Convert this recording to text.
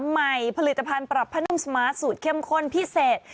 ใหม่ผลิตภัณฑ์ปรับผ้านุ่มสมาร์ทสูตรเข้มข้นพิเศษ